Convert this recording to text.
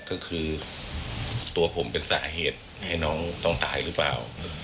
ก็คือตัวผมเป็นสาเหตุให้น้องต้องตายหรือเปล่า